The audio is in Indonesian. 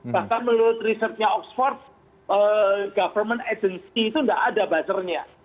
bahkan menurut risetnya oxford government agency itu tidak ada buzzernya